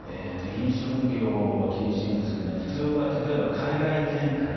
飲食業は厳しいんですけど普通は例えば海外展開。